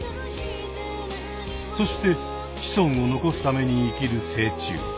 そして子孫を残すために生きる成虫。